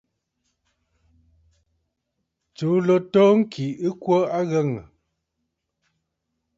Tsùu ló too ŋkì ɨ kwo a aghəŋə̀.